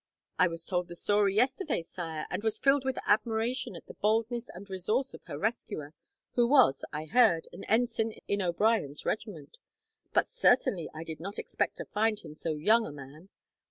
"I was told the story yesterday, Sire, and was filled with admiration at the boldness and resource of her rescuer, who was, I heard, an ensign in O'Brien's regiment; but certainly I did not expect to find him so young a man.